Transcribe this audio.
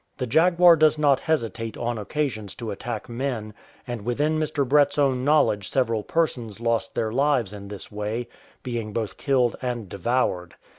The jaguar does not hesitate on occasions to attack men, and within Mr. Brett's own knowledge several persons lost their lives in this way, being both killed and devoured.